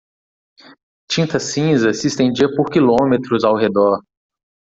Tinta cinza se estendia por quilômetros ao redor.